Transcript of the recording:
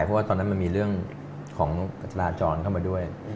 เพราะว่าตอนนั้นมันมีเรื่องของจราจรเข้ามาด้วย